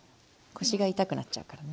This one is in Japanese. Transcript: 腰が痛くなっちゃうから。